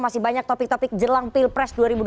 masih banyak topik topik jelang pilpres dua ribu dua puluh